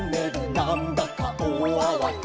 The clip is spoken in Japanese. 「なんだかおおあわて」